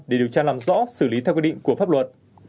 để điều tra làm rõ xử lý theo quy định của pháp luật